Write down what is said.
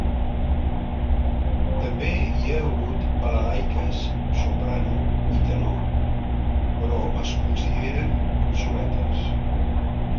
També hi ha hagut balalaiques "soprano" i "tenor", però es consideren obsoletes.